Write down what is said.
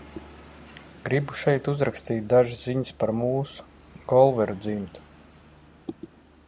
Gribu šeit uzrakstīt dažas ziņas par mūsu – Golveru dzimtu.